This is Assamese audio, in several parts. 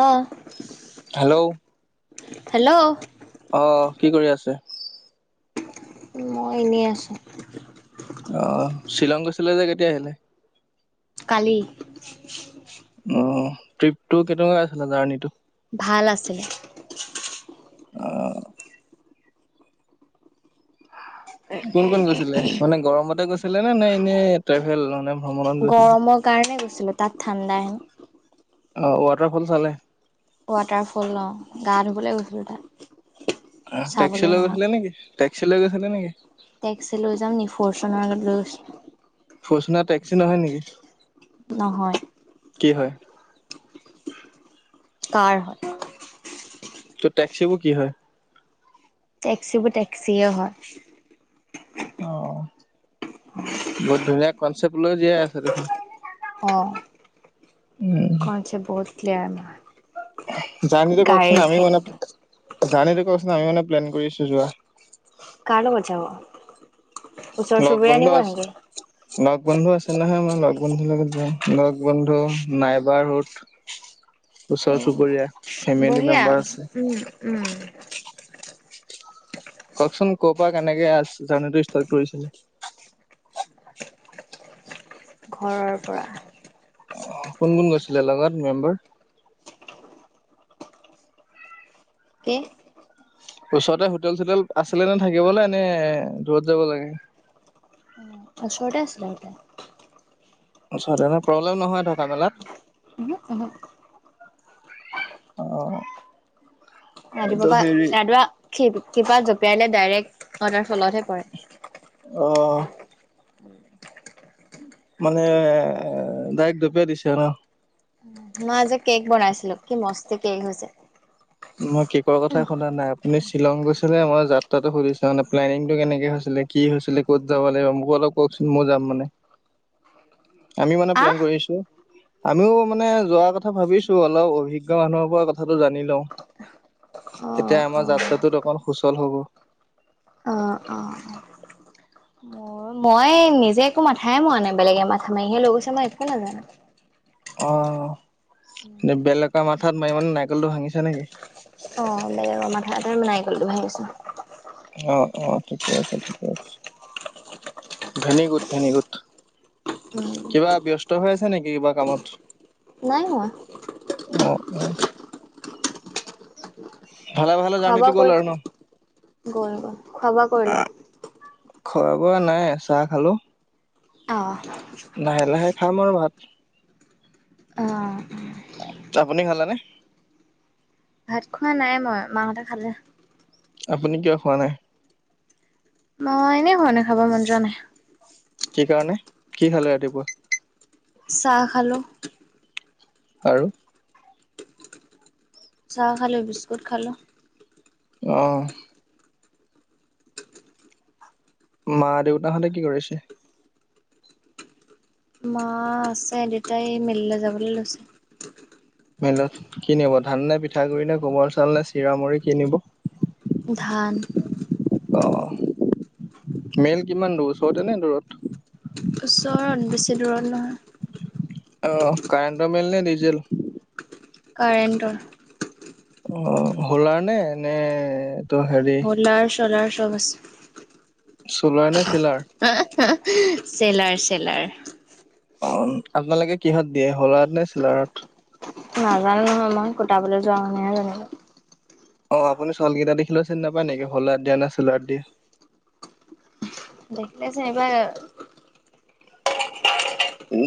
অহ হেল্ল' হেল্ল' অ কি কৰি আছে? মই এনেই আছোঁ অ শ্বিলং গৈছিলা যে কেতিয়া আহিলে? কালি অ ট্ৰিপটো কেনেকুৱা আছিলে জাৰ্ণিটো ভাল আছিলে অ কোন কোন গৈছিলে মানে গৰমতে গৈছিলে নে, নে এনেই ট্ৰেভেল মানে ভ্ৰমণত গৈছিলে গৰমৰ কাৰণে গৈছিলো তাত ঠাণ্ডা আহে অ ৱাটাৰফল চালে ৱাটাৰফল অ গা ধুবলে গৈছিলোঁ তাত অ টেক্সি চাবলৈ লৈ নহয় গৈছিলে নেকি টেক্সি গৈছিলে নেকি? টেক্সি লৈ যাম নি, ফৰচুনৰাৰ লৈ ফৰচুনাৰ টেক্সি নহয় নেকি? নহয় কি হয়? কাৰ হয় তো' টেক্সিবোৰ কি হয়? টেক্সিবোৰ টেক্সিয়ে হয়। অ বহুত ধুনীয়া কনচেপ্ট লৈ জীয়াই আছে দেখোন। অ উম কনচেপ্ট বহুত ক্লয়াৰ আমা জানেতি কওকচোন আমিও মানে ক্ষেত্ৰত জানেতে কওকচোন আমি মানে প্লেন কৰি আছো যোৱা। কাৰ লগত যাব? ওচৰ লগ চুবুৰীয়া বন্ধু নিব আছে নেকি? লগ বন্ধু আছে নহয় মই লগ বন্ধুৰ লগত যাম। লগ বন্ধু নাইবাৰ সোত ওচৰ চুবুৰীয়া বঢ়িয়া মেম্বাৰ আছে উম উম। কওকচোন ক পৰা কেনেকে জাৰ্নিটো ষ্টাৰ্ট কৰিছিলে? ঘৰৰ পৰা। অহ কোন কোন গৈছিলে লগত মেম্বাৰ? কি? ওচতে হোটেল চোটেল আছিলে নে থাকিবলৈ নে দূৰত যাব লাগে? ওচৰতে আছিলে তাতে। ওচৰতে ন প্ৰব্লেম নহয় থকা মেলাত? উহু উহু। [unintelligible] অহ। ৰাতিপুৱা পা ৰাধুৱা খিবি কিবা জপিয়ালে ডাইৰেক্ট অদাৰ ফলতহে পৰে। অ। মানে দাইৰেক জপিয়াই দিছে ন? মই আজি কেক বনাইছিলো কি মস্তি কেক হৈছে। মই কেকৰ কথা শুদা নাইপ। এনেই শ্বিলং গৈছিলে মই যাত্ৰাটো সুধিছে মানে প্লেনিংটো কেনেকে হৈছিলে কি হৈছিলে? ক'ত যাব লাগিব মোক অলপ কওকচোন মই যাম মানে। [inaudible] আমি মানে প্লেন আহ কৰিছো। আমিও মানে যোৱাৰ কথা ভাবিছো অলপ অভিজ্ঞ মানুহৰ পৰা কথাটো জানি লওঁ। তেতিয়া অ', আমাৰ অ'। যাত্ৰাটোত অকন সুচল হ'ব। অ অ। মোৰ মই নিজে একো মাথাই মোৱা নাই বেলেগে মাথা মাৰিহে লৈ গৈছে মই একো নাজানো। অ নে বেলেগক মাথাত মাৰি মানে নাৰিকলটো ভাঙিছে নেকি? অ বেলেগ মাথাত আৰু নাৰিকলটো ভাঙিছো। অ অ ঠিকে আছে ঠিকে আছে ভেনিগুড ভেনিগুড। উম, কিবা ব্যস্ত হৈ আছে নেকি কিবা কামত? নাই হোৱা। অ অহ। ভালে ভালে খোৱা জাৰ্ণিটো গ'ল বোৱা আৰু ন কই, গ'ল গ'ল খোৱা বোৱা কৰিলে? খোৱা বোৱা নাই চাহ খালো। অহ। লাহে লাহে খাম আৰু ভাত। অ। আপুনি খালে নে? ভাত খোৱা নাই মই মাহঁতে খালে। আপুনি কিয় খোৱা নাই? মই এনে খোৱা নাই, খাব মন যোৱা নাই। কি কাৰণে কি খালে ৰাতিপুৱা? চাহ খালোঁ। আৰু? চাহ খালোঁ বিস্কুট খালোঁ অ মা-দেউতাহঁতে কি কৰিছে? মা আছে দেউতাই মিললে যাবলে লৈছে। মিলত কি নিব ধান নে, পিঠাগুৰি নে, গোমৰ চাউল নে, চিৰা মুৰি কি নিব? ধান অ মেল কিমান দূৰ ওচৰতে নে দূৰত? ওচৰত বেছি দূৰত নহয়। অ কাৰেণ্টৰ মেল নে ডিজেল? কাৰেণ্ট অ হোলাৰ নে নে তো হেৰি লাৰ ছলাৰ চব আছে। চোলাৰ নে ছিলাৰ হে হে চেলাৰ চেলাৰ অ আপোনালোকে কিহত দিয়ে হোলাত নে চিলাৰত নাজানো নহয় মই কোটাবলে যোৱা মানুহেহে জানিব অ আপুনি চাউলকেইটা দেখিলেও চিনি নাপায় নেকি হলাত দিয়া নে চেলাৰত দিয়া দেখিলে চিনি পাই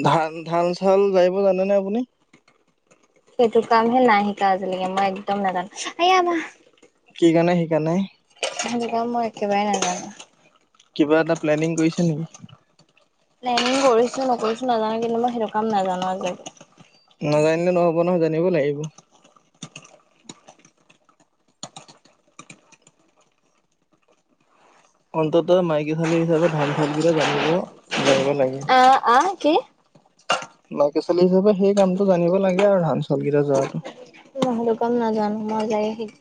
ধান ধান চাউল জাৰিব জানেনে আপুনি? সেইটো কাম হে নাই শিকা আজিলেকে মই একদম নাজানো এয়া মা কি কাৰণে শিকানাই? হেটো কাম মই একেবাৰে নাজানো কিবা এটা প্লেনিং কৰিছে নেকি? প্লেনিং কৰিছো নকৰিছো নাজানো কিন্তু মই সেইটো কাম নাজানো আজিলৈকে নাজানিলে নহব নহয় জানিব লাগিব অন্তত মাইকী ছোৱালী হিচাপে ধান- চাউলকেইটা জানিব জানিব লাগে আ আ কি? মাইকী ছোৱালী হিচাপে সেই কামটো জানিব লাগে আৰু ধান চাউলকেইটা জৰাটো মই সেইটো কাম নাজানো মই জাৰি শিক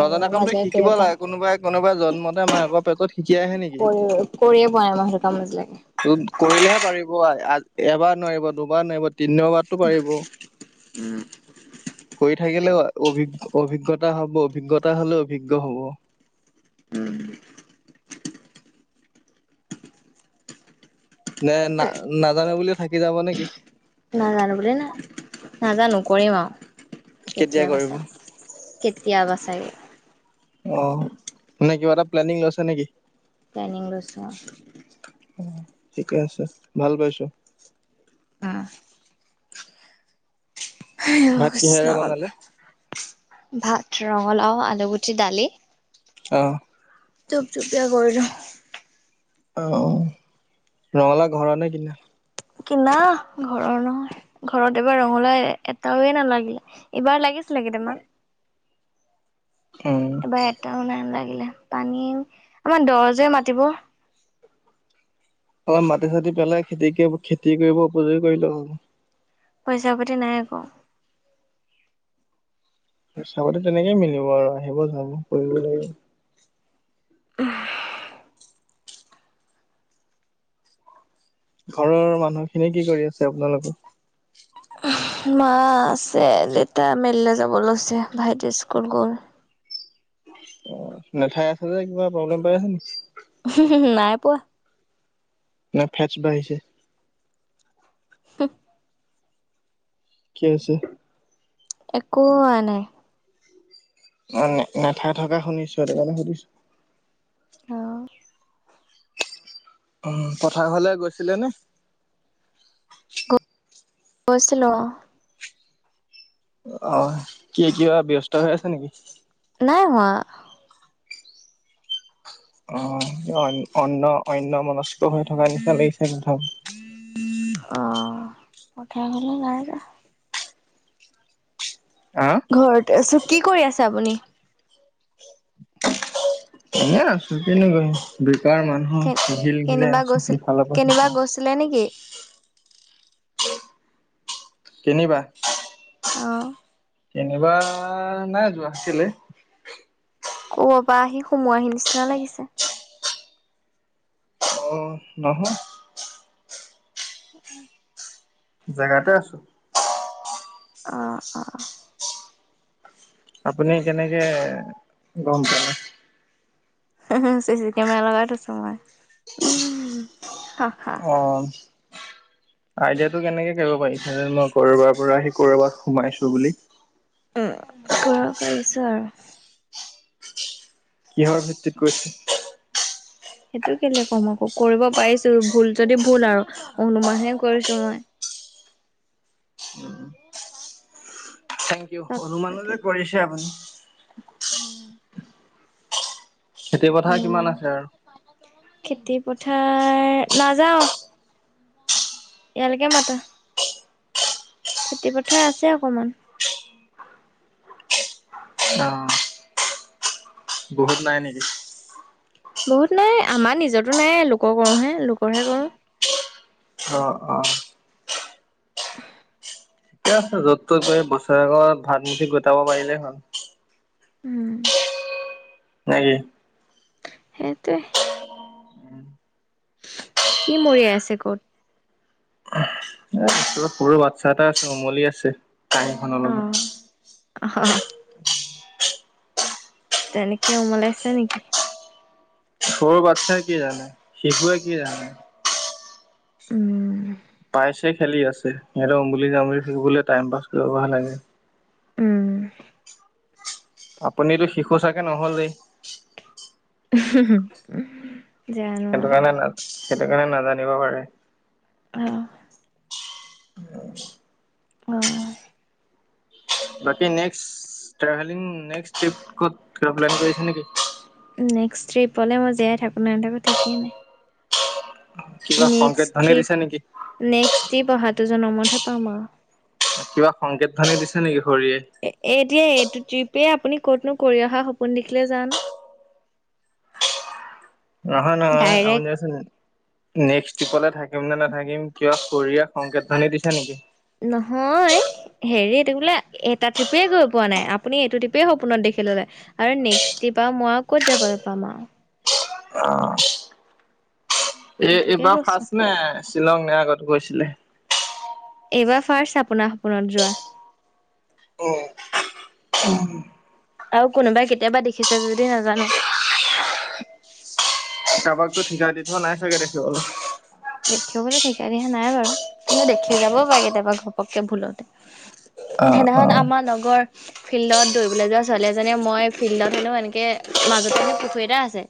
নজনা কামটো শিকিব লাগে কোনোবাই কোনোবাই জন্মতে মাকৰ পেটত শিকি আহে নেকি কৰিব কৰিয়ে পোৱা নাই সেইটো কাম আজিলেকে ত কৰিলেহে পাৰিব এবাৰ নোৱাৰিব, দুবাৰ নোৱাৰিব, তিনি বাৰততো পাৰিব কৰি থাকিলেও অভি অভিজ্ঞতা হ'ব অভিজ্ঞতা হ'লেও অভিজ্ঞতা হ'ব [unintelligible] নে না নাজানো বুলি থাকি যাব নেকি জনানো বুলি না নাজানো কৰিম আঅ কেতিয়া কেতিয়াবা কৰিব চাই কেতিয়াবা চাগে অ মানে কিবা এটা প্লেনিং লৈছা নেকি? অ লৈছোঁ অ অ ঠিকে আছে ভাল পাইছো আ হাইও ভাত কৃষ্ণ কিহেৰে বনালে? ভাত ৰঙালাও, আলুগুটি, দালি অ। থুপথুপীয়া কৰিলো। অ। ৰঙালাউ ঘৰৰ নে কিনা? কিনা ঘৰৰ নহয়। ঘৰত এইবাৰ ৰঙলাউ এটাওৱে নালাগিলে, ইবাৰ লাগিছিলে কেইটামান। উম [inaudible] এইবাৰ এটাও নালাগিলে পানী আমাৰ দ যে মাটিবোৰ। অলপ মাটি-চাটি পেলাই খেতি খেতি কৰিব উপযোগী কৰিলেই হ'ল। পইচা-পাতি নাই আক। পইচা-পাতি তেনেকেই মিলিব আৰু সেইবোৰ কামবোৰ কৰিবই লাগিব। [unintelligible] ঘৰৰ মানুহখিনিয়ে কি কৰি আছে আপোনালোকৰ? মা আছে, দেতা মেললে যাব লৈছে, ভাইটি স্কুল গ'ল। অ। নেথাই আছ যে কিবা প্ৰব্লেম পাই আছ নি? নাই পোৱা। নাই ফেটচ বাঢ়িছে। [unintelligible] কি হৈছে? একো হোৱা নাই। অ নেথাই থকা শুনিছো সেইটোকাৰণে সুধিছো। অ। অ। পথাৰলে গৈছিলে নে? গৈছিলো অ। অ, কি কিবা ব্যস্ত হৈ আছে নিকি? নাই হোৱা। অ অন অন্য মনস্ক হৈ থকাৰ নিচিনা লাগিছে কথাবোৰ। অ। পঠিয়া ঘলে নাই যোৱা। হা? ঘৰতে আছো। কি কৰি আছে আপুনি? এনে আছো কিনো কৰিম, বেকাৰ মানুহ কে টিঘিল ঘিলাই আছো ইফালৰ পৰা সিফালে। লে নেকি? কিনিবা? অ। কেনিবা নাই যোৱা। কেলে? ক'বাপা আহি সোমোৱাহি নিচিনা লাগিছে। অ, নহয়। [inaudible] জেগাতে আছো। অ। অ', আপুনি কেনেকে গম পালে? চি চি কেমেৰা লগাই থৈছো মই উম হাহ। অ। আইডিয়াটো কেনেকে কৰিব পাৰিছে যে মই ক'ৰবাৰ পৰা আহি ক'ৰবাত সোমাইছো বুলি? উম, কৰিব পাৰিছো আৰু। কিহৰ ভিত্তিত কৈছে? সেইটো কেলে কম আকৌ, কৰিব পাৰিছো ভুল যদি ভুল আৰু অনুমানহে কৰিছো মই। [unintelligible] Thank U. অনুমানো যে কৰিছে আপুনি। উম। খেতিৰ পথাৰ কিমান অনুমান, আছে আৰু খেতি পথাৰ নাযাওঁ। ইয়ালেকে মাতা। খেতি পথাৰ আছে অকমান। অ। বহুত নাই নেকি? বহুত নাই, আমাৰ নিজৰতো নাই, লোকৰ কৰোহে, লোকৰহে কৰোঁ। অ, অ। [unintelligible] ঠিকে আছে, য'ত ত'ত হে বছৰেগত ভাত মুঠি গোটাব পাৰিলে হ'ল। উম। নেকি সেইটোৱে। উম। কি মৰিয়াই আছে ক'ত? এ, ওচৰত সৰু বাচ্ছা এটা আছে উমলি আছে, কাঁহীখনৰ অ লগত। অ হ হ তেনেকে ওমলাইছে নেকি? সৰু বাচ্ছাই কি জানে, শিশুৱে কি জানে। উমম পাইছে খেলি আছে, সিহঁতে উমুলি যামুলি থাকিবলে টাইম পাছ কৰিবহে লাগে। উম আপুনিতো শিশু চাগে নহলেই? উম হু হু জানো সেইটো কাৰণে নাজ সেইটো কাৰণে নাজানিব পাৰে। অ উম অ' বাকী নেক্সট ট্ৰেভেলিং নেক্স টিপ ক'ত কিবা প্লেন কৰিছে নেকি? নেক্স ট্ৰিপলে মই জীয়াই থাকোঁ নাথাকো ঠিকেই নাই। কিবা সংকেত নেক্সট ধ্বনি দিছে নেকি? ট্ৰিপ নেক্সট ট্ৰিপ অহাটো জনমতহে পাম আৰু। কিবা সংকেত ধ্বনি দিছে নেকি শৰীৰে এ এতিয়া এইটো ট্ৰিপে আপুনি ক'তনো কৰি অহা সপোন দেখিলে জানো নহয় নহয় ডাইৰেক্ট আপুনিচোন নেক্সট ট্ৰিপলে থাকিম নে নাথাকিম কিয় শৰীৰে সংকেত ধ্বনি দিছে নেকি? নহয় হেৰিটো বোলে এটা ট্ৰিপে গৈ পোৱা নাই আপুনি এইটো ট্ৰিপে সপোনত দেখি ললে। আৰু নেক্সট ট্ৰিপ আৰু মই আৰু ক'ত যাবলৈ পাম আৰু। এ সেইটোকে এইবাৰ কৈছো ফাৰ্ষ্ট নে শ্বিলং নে আগত গৈছিলে? এইবাৰ ফাৰ্ষ্ট আপোনাৰ সপোনত যোৱা। উম উম আৰু কোনোবাই কেতিয়াবা দেখিছে যদি নাজানো। কাৰোবাকো ঠিকাই দি থোৱা নাই চাগে দেখিবলে দেখিবলৈ ঠিকা দিয়া নাই বাৰু কিন্তু দেখি যাবও পাৰে কেতিয়াবা ঘপকে ভুলতে, অ', সেইদিনাখন অ', আমাৰ লগৰ ফিল্ডত দৌৰিবলৈ যোৱা ছোৱালী এজনীয়ে মই ফিল্ডত হেনো এনেকে মাজতে পুখুৰী এটা আছে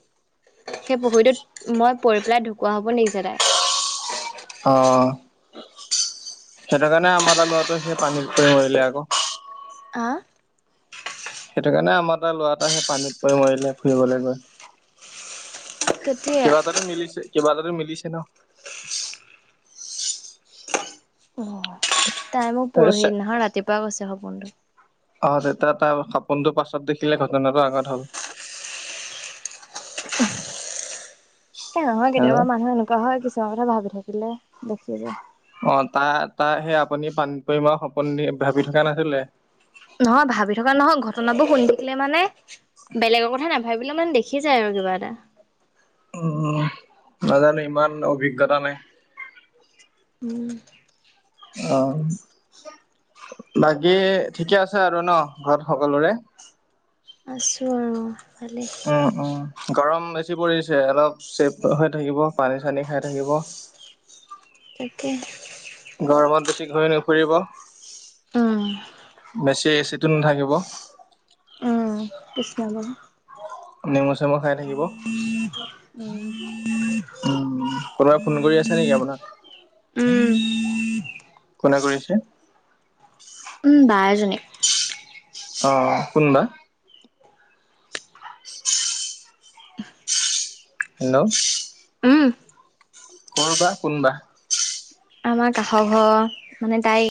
সেই পুখুৰীটোত মই পৰি পেলাই ঢুকুৱা সপোন দেখিছে তাই, অ সেইটো কাৰণে আমাৰ লৰাটো সেই পানীত মৰিলে আক। আহ সেইটো কাৰণে আমাৰ এটা লৰা এটা সেই পানীত পৰি মাৰিলে ফুৰিবলৈ গৈ। কেতিয়া কিবা এটা তো মিলিছে কিবা এটা মিলিছে ন অ তাই মোক এই পৰহি চে দিনা খন ৰাতিপুৱা কৈছে সপোনটো অ' তেতিয়া তাৰ সপোনটো পাছত দেখিলে ঘটনাটো আগত হ'ল। নহয় হেল্ল' কেতিয়াবা মানুহ এনেকুৱা হয় কিছুমান কথা ভাবি থাকিলে দেখি যায়। অ' তাই তাই সেই আপুনি পানীত পৰি মৰি সপোন ভাবি থকা নাছিলে। নহয় ভাবি থকা নহয় ঘটনাবোৰ শুনি থাকিলে মানে বেলেগৰ কথা নাভাবিলে মানে দেখি যায় আৰু কিবা এটা, উম নাজানো ইমান অভিজ্ঞতা নাই। উম অ' বাকী ঠিকে আছে আৰু ন ঘৰত সকলোৰে। আছোঁ আৰু ভালেই। উম উম গৰম বেছি পৰিছে অলপ চেফ হৈ থাকিব পানী চানী খাই থাকিব। তাকে গৰমত বেছি ঘূৰি নুফুৰিব উম বেছি এচিত টো নাথাকিব। উম কৃষ্ণ [unintelligible] নেমু চেমু খাই থাকিব। উম কোনোবাই ফোন কৰি আছে নেকি আপোনাক। উম কোনে কৰিছে। উম বা এজনীয়ে। অ অ কোন বা, [unintelligible] হেল্ল', উম ক'ৰ বা কোন বা। আমাৰ কাষ ঘৰৰ মানে তাই,